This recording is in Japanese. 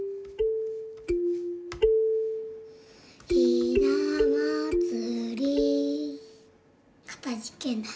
「ひなまつり」かたじけない。